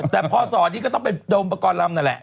แต่พอสอนนี้ก็ต้องเป็นโดมประกอบรำนั่นแหละ